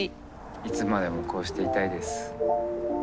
いつまでもこうしていたいです。